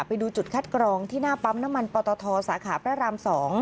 ไปดูจุดคัดกรองที่หน้าปั๊มน้ำมันปตทสาขาพระราม๒